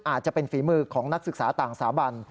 อาจจะเป็นฝีมือของนักศึกษาต่างสถาบัน